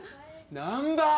難破！